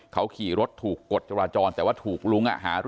เขาขี่รถถูกกดแต่ว่าถูกล้วงอ่ะหาร่วย